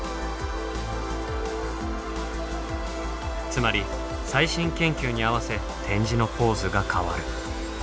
つまり最新研究に合わせ展示のポーズが変わる。